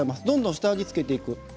どんどん下味を付けていく。